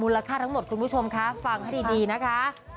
ค่าทั้งหมดคุณผู้ชมคะฟังให้ดีนะคะ